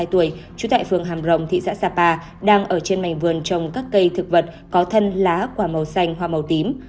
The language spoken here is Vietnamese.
trú tại phường hàm rồng thị xã sapa đang ở trên mảnh vườn trồng các cây thực vật có thân lá quả màu xanh hoa màu tím